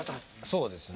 そうですね。